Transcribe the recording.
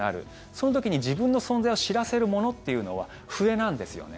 その時に自分の存在を知らせるものっていうのは笛なんですよね。